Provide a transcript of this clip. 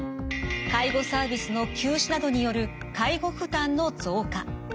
介護サービスの休止などによる介護負担の増加。